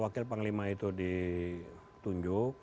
wakil panglima itu ditunjuk